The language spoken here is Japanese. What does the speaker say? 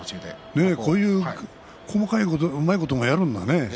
こういう細かいことうまいこともやるんだね。